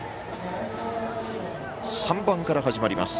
３番から始まります。